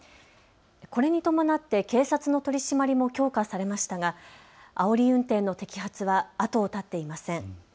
これに伴って警察の取締りも強化されましたがあおり運転の摘発は後を絶っていません。